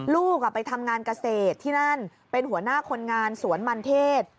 ลูกไปทำงานเกษตรที่นั่นเป็นหัวหน้าคนงานสวนมันเทศ